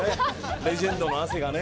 レジェンドの汗がね。